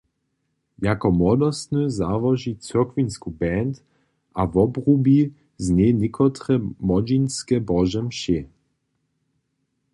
Jako młodostny załoži cyrkwinsku band a wobrubi z njej někotre młodźinske Bože mšě.